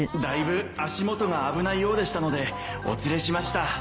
だいぶ足元が危ないようでしたのでお連れしました